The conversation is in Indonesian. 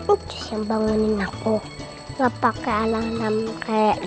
pucuk yang bangunin aku enggak pakai alat namun kayak